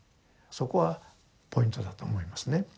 そこはポイントだと思いますね。